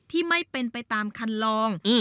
ที่ไม่เป็นไปตามคันลอง